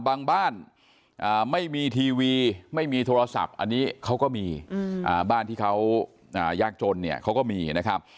บ้านไม่มีทีวีไม่มีโทรศัพท์อันนี้เขาก็มีบ้านที่เขายากจนเนี่ยเขาก็มีนะครับ